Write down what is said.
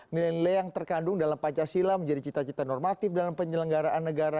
nilai nilai yang terkandung dalam pancasila menjadi cita cita normatif dalam penyelenggaraan negara